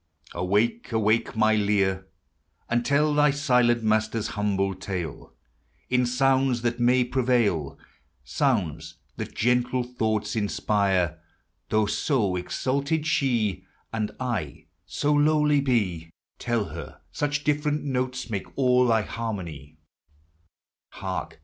Awake, awake, my Lyre | And tell thy silenl master's humble tale Tu sounds that may |»iv\ ;iil ; Sounds that gentle thoughts inspire; Though so exalted shf, Aw<\ I so lowly 372 POEMS OF SENTIMENT. Tell her, such different notes make all thy Dar in on j r . Hark